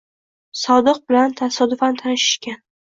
Sodiq bilan tasodifan tanishishgan